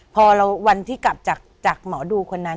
พอวันที่กลับจากหมอดูคนนั้น